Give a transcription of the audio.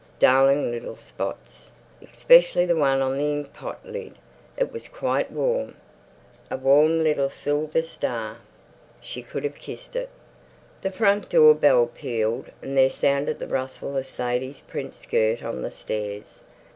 Darling little spots. Especially the one on the inkpot lid. It was quite warm. A warm little silver star. She could have kissed it. The front door bell pealed, and there sounded the rustle of Sadie's print skirt on the stairs.